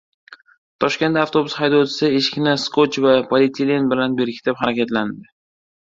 Toshkentda avtobus haydovchisi eshikni skotch va poliyetilen bilan berkitib harakatlandi